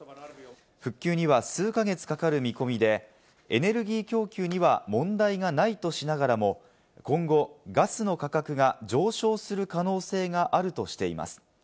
復旧には数か月かかる見込みで、エネルギー供給には問題がないとしながらも、今後、ガスの価格が上昇する可能性があるとしています。